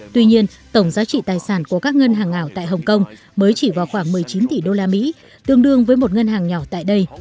tuy nhiên tổng giá trị tài sản của các ngân hàng ảo tại hồng kông mới chỉ vào khoảng một mươi chín tỷ usd tương đương với một ngân hàng nhỏ tại đây